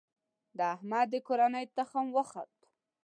د احمد د کورنۍ تخم وخوت.